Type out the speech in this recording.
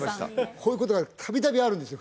こういうことが度々あるんですよ